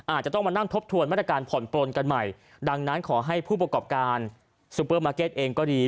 อาจจะต้องมานั่งทบทวนมาตรการผ่อนปลนกันใหม่ดังนั้นขอให้ผู้ประกอบการซูเปอร์มาร์เก็ตเองก็ดี